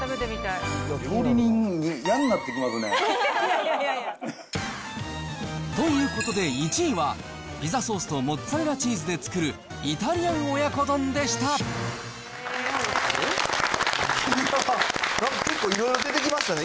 料理人が嫌になってきますね。ということで、１位はピザソースとモッツァレラチーズで作るイタリアン親子丼でいやー、なんか結構いろいろ出てましたね。